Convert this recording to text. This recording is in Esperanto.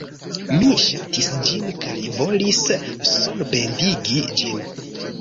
Mi ŝatis ĝin kaj volis sonbendigi ĝin.